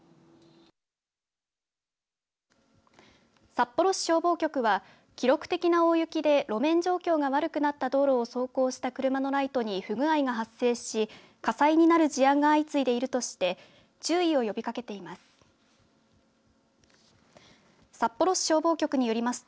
札幌市消防局は記録的な大雪で路面状況が悪くなった道路を走行した車のライトに不具合が発生し、火災になる事案が相次いでいるとして注意を呼びかけています。